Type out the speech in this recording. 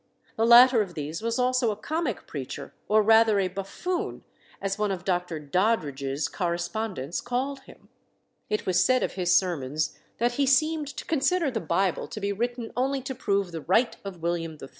The latter of these was also a comic preacher, or rather a "buffoon," as one of Dr. Doddridge's correspondents called him. It was said of his sermons that he seemed to consider the Bible to be written only to prove the right of William III.